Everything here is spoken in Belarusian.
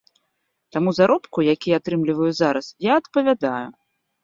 Таму заробку, які атрымліваю зараз, я адпавядаю.